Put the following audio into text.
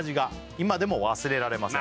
「今でも忘れられません」